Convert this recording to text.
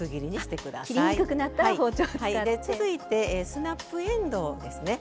で続いてスナップえんどうですね。